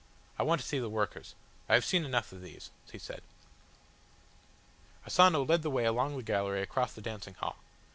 "I want to see the workers. I have seen enough of these," he said. Asano led the way along the gallery across the dancing hall.